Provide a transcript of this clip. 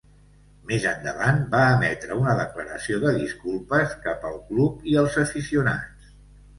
Més endavant va emetre una declaració de disculpes cap al club i els aficionats.